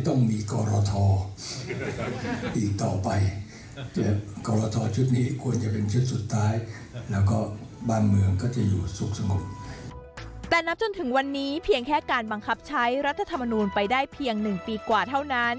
แต่นับจนถึงวันนี้เพียงแค่การบังคับใช้รัฐธรรมนูลไปได้เพียง๑ปีกว่าเท่านั้น